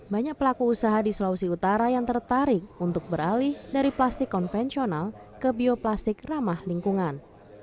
banyak pelaku usaha di sulawesi utara yang tertarik untuk beralih dari plastik konvensional ke bioplastik ramah lingkungan